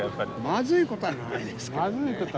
まずいことはないですけども。